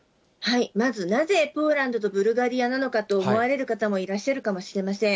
まずなぜ、ポーランドとブルガリアなのかと思われる方もいらっしゃるかもしれません。